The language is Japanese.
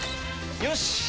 よし！